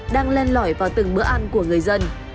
đang lên lõi vào từng bữa ăn của người dân